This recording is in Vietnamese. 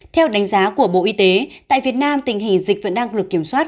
theo đánh giá của bộ y tế tại việt nam tình hình dịch vẫn đang được kiểm soát